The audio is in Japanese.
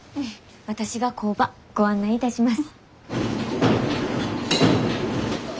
私が工場ご案内いたします。